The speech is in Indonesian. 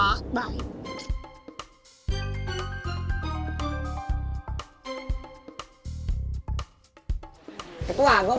aaron pengaisan dalam pernikahan young m xp